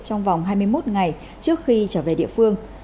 trong vòng hai mươi một ngày trước khi trở về địa phương